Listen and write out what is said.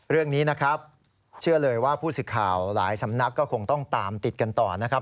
เรื่องนี้นะครับเชื่อเลยว่าผู้สื่อข่าวหลายสำนักก็คงต้องตามติดกันต่อนะครับ